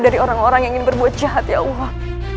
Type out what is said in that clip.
dari orang orang yang ingin berbuat jahat ya allah